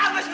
apa sih lu